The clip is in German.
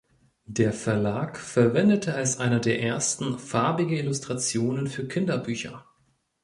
Der Verlag verwendete als einer der ersten farbige Illustrationen für Kinderbücher.